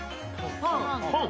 パン？